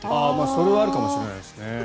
それはあるかもしれないですね。